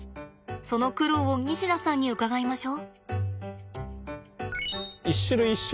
その苦労を西田さんに伺いましょ。